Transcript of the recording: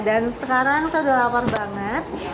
dan sekarang saya sudah lapar banget